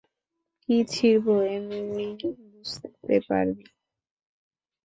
কী ছিড়বো এমনিই বুঝতে পারবি!